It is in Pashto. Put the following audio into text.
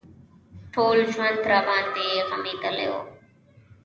ټول ژوند راباندې غمېدلى و.